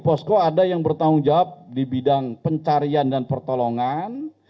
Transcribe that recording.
posko ada yang bertanggung jawab di bidang pencarian dan pertolongan